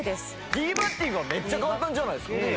ティーバッティングはめっちゃ簡単じゃないですか？